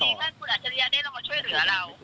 ท่านคุณอัจฉริยะได้ลงมาช่วยเหลือเรา